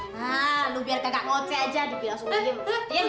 nah lu biar kagak ngoceh aja dibilang suhu gini